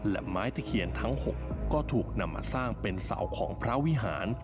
และไม้ตะเคียนทั้ง๖ก็ถูกนำมาสร้างเป็นเสาของพระวิหาร